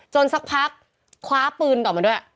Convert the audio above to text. สักพักคว้าปืนออกมาด้วย